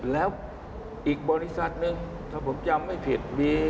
แล้วอีกบริษัทหนึ่งถ้าผมจำไม่ผิด